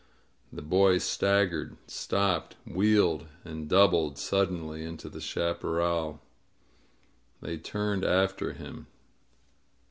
The boy staggered, stopped, wheeled, and doubled suddenly into the chaparral. They turned after him.